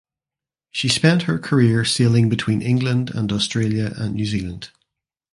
She spent her career sailing between England and Australia and New Zealand.